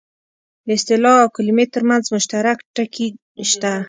د اصطلاح او کلمې ترمنځ مشترک ټکي شته